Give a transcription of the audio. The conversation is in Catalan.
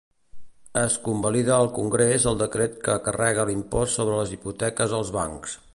Es convalida al Congrés el decret que carrega l'impost sobre les hipoteques als bancs.